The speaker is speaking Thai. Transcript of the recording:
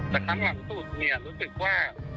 แต่ครั้งหลังสูตรรู้สึกว่า